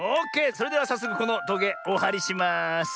それではさっそくこのトゲおはりします。